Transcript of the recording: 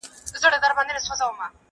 په څه سپک نظر به گوري زموږ پر لوري!